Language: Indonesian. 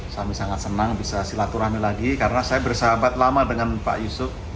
kami sangat senang bisa silaturahmi lagi karena saya bersahabat lama dengan pak yusuf